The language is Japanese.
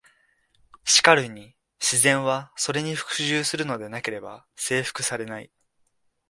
しかるに「自然は、それに服従するのでなければ征服されない」。